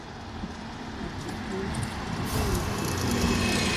¿A tiʼin sʼí mikʼien?